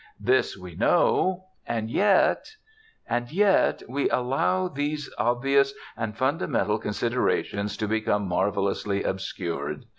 This we know. And yet And yet we allow these obvious and fundamental considerations to become marvelously obscured.